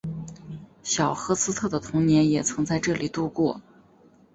小赫斯特的童年也曾在这里度过。